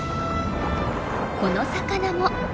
この魚も。